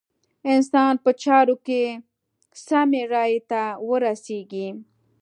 انسان په چارو کې سمې رايې ته ورسېږي.